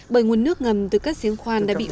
bởi nguồn nước ngầm từ các siêu thị